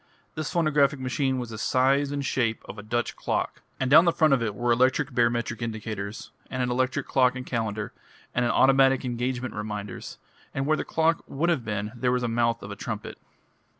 This phonographic machine was the size and shape of a Dutch clock, and down the front of it were electric barometric indicators, and an electric clock and calendar, and automatic engagement reminders, and where the clock would have been was the mouth of a trumpet.